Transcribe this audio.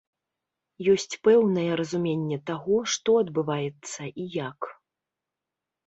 Ёсць пэўнае разуменне таго, што адбываецца і як.